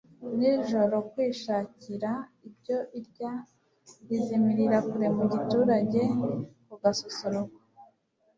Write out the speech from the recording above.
nijoro kwishakira ibyo irya izimirira kure mu giturage. ku gasusuruko